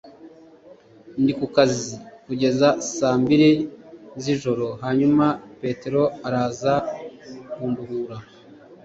Ndi ku kazi kugeza saa mbiri z'ijoro hanyuma Petero araza kunduhura